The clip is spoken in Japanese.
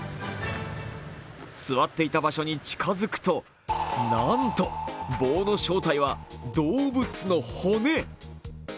座っていた場所に近づくとなんと棒の正体は、動物の骨。